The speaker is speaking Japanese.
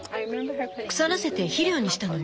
腐らせて肥料にしたのよ。